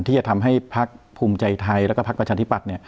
ที่จะทำให้ภาคภูมิใจไทยและภาคประชาธิบัตร